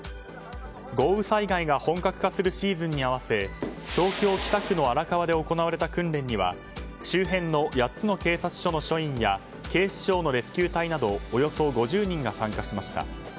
豪雨災害が本格化するシーズンに合わせ東京・北区の荒川で行われた訓練には周辺の８つの警察署の署員や警視庁のレスキュー隊などおよそ５０人が参加しました。